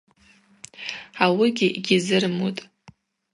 Ауыгьи йгьизырмутӏ.